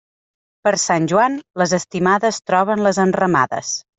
Per Sant Joan, les estimades troben les enramades.